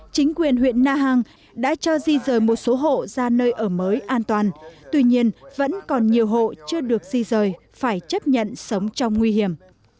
chính quyền huyện na hàng đã cho di rời một số hộ ra nơi ở mới an toàn tuy nhiên vẫn còn nhiều hộ chưa được di rời phải chấp nhận sống trong nguy hiểm